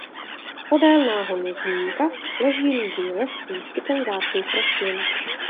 Podél náhonu Zmínka leží lužní les s výskytem vzácných rostlin.